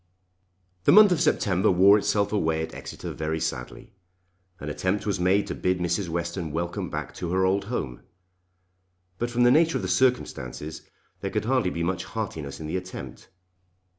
The month of September wore itself away at Exeter very sadly. An attempt was made to bid Mrs. Western welcome back to her old home; but from the nature of the circumstances there could hardly be much heartiness in the attempt.